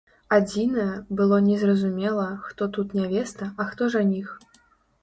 Адзінае, было незразумела, хто тут нявеста, а хто жаніх.